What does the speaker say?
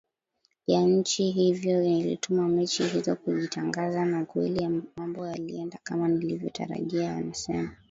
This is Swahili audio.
ya nchi hivyo nilitumia mechi hizo kujitangaza na kweli mambo yalienda kama nilivyotarajia anasema